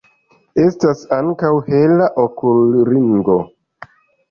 Estas ankaŭ hela okulringo.